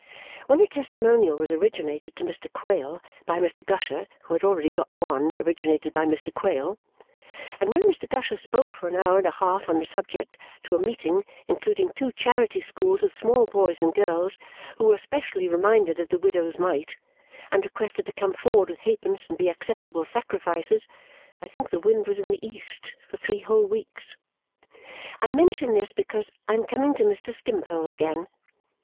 When a testimonial was originated to Mr. Quale by Mr. Gusher (who had already got one, originated by Mr. Quale), and when Mr. Gusher spoke for an hour and a half on the subject to a meeting, including two charity schools of small boys and girls, who were specially reminded of the widow's mite, and requested to come forward with halfpence and be acceptable sacrifices, I think the wind was in the east for three whole weeks. I mention this because I am coming to Mr. Skimpole again.